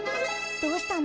どうしたの？